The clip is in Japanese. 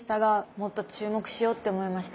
もっと注目しようって思いました。